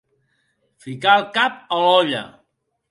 Ficar el cap a l'olla.